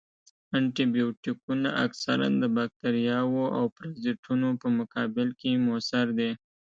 انټي بیوټیکونه اکثراً د باکتریاوو او پرازیتونو په مقابل کې موثر دي.